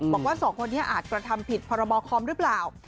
บอกว่าสองคนนี้อาจกระทำผิดพรบคอมหรือเปล่า